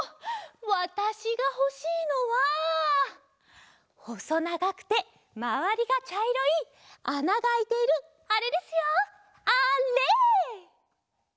わたしがほしいのはほそながくてまわりがちゃいろいあながあいているあれですよあれ。